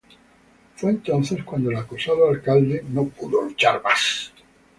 Fue entonces cuando el acosado alcalde no pudo luchar más.